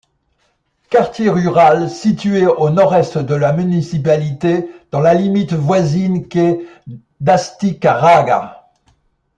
Quartier rural situé au nord-est de la municipalité, dans la limite voisine qu'est d'Astigarraga.